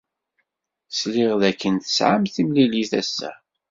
Sliɣ dakken tesɛam timlilit ass-a.